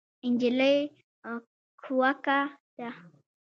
نجلۍ کوکه کړه.